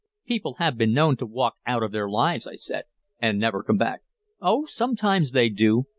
"People have been known to walk out of their lives," I said. "And never come back." "Oh, sometimes they do.